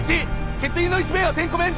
欠員の１名は点呼免除。